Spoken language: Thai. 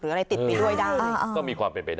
หรืออะไรติดด้วยได้